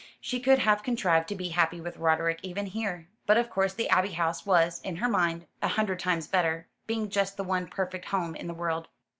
She could have contrived to be happy with Roderick even here; but of course the Abbey House was, in her mind, a hundred times better, being just the one perfect home in the world.